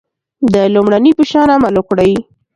د لومړني په شان عمل وکړئ.